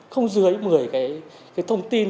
không dưới một mươi cái thông tin